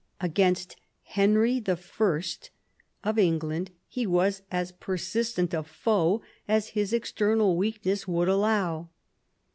Against Henry I. of England he was as persistent a foe as his external weakness would allow.